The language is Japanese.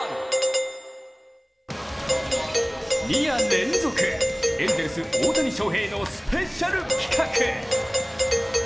２夜連続、エンゼルス・大谷翔平のスペシャル企画。